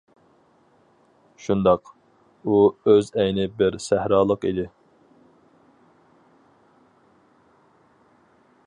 شۇنداق، ئۇ ئۆز ئەينى بىر سەھرالىق ئىدى.